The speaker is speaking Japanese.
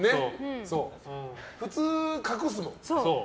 普通隠すもん。